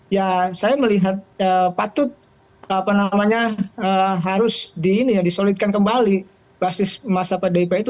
ya saya melihat patut harus disolidkan kembali basis masa pdip itu